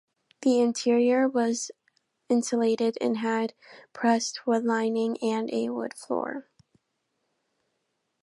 The interior was insulated and had pressed wood lining and a wood floor.